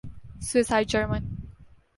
Swiss high German